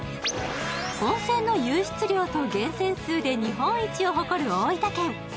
温泉の湧出量と源泉数で日本一を誇る大分県。